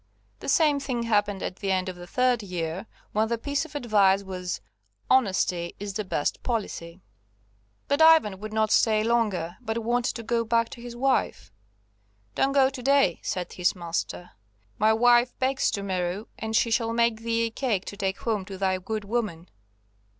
The same thing happened at the end of the third year, when the piece of advice was: "Honesty is the best policy." But Ivan would not stay longer, but wanted to go back to his wife. "Don't go to day," said his master; "my wife bakes to morrow, and she shall make thee a cake to take home to thy good woman."